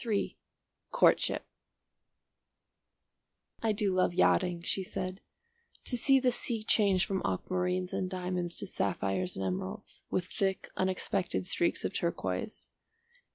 III COURTSHIP "I do love yachting," she said, "to see the sea change from aquamarines and diamonds to sapphires and emeralds, with thick unexpected streaks of turquoise.